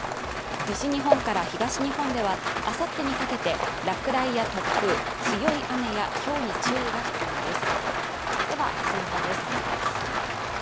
西日本から東日本では、あさってにかけて落雷や突風、強い雨やひょうに注意が必要です。